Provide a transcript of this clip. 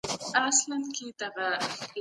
سازمانونه ولي د جګړې مخنیوی کوي؟